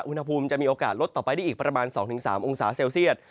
อุณหภูมิจะมีโอกาสลดต่อไปได้อีกประมาณ๒๓องศาเซลเซียต